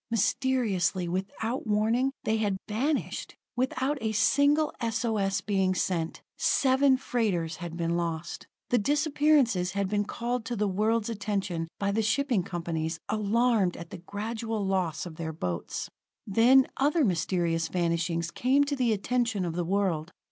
Mysteriously, without warning, they had vanished; without a single S O S being sent, seven freighters had been lost. The disappearances had been called to the world's attention by the shipping companies, alarmed at the gradual loss of their boats. Then other mysterious vanishings came to the attention of the world.